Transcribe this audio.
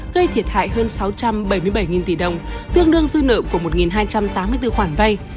gây thiệt hại hơn sáu trăm bảy mươi bảy tỷ đồng tương đương dư nợ của một hai trăm tám mươi bốn khoản vay